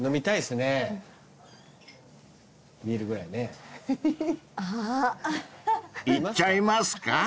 ［いっちゃいますか］